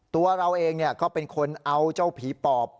ตัวเราเองก็เป็นคนเอาเจ้าผีปอบ